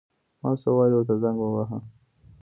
ما څو وارې ورته زنګ وواهه.